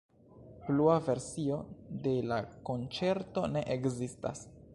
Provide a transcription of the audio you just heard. Plua versio de la konĉerto ne ekzistas.